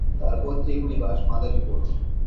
তার পৈত্রিক নিবাস মাদারীপুর।